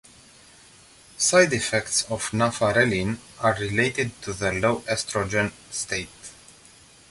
Side effects of nafarelin are related to the low estrogen state.